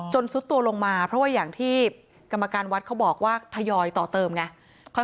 ซุดตัวลงมาเพราะว่าอย่างที่กรรมการวัดเขาบอกว่าทยอยต่อเติมไง